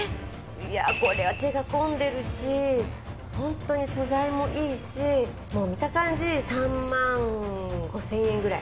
いやこれは手が込んでるしホントに素材もいいしもう見た感じ３万５，０００円くらい。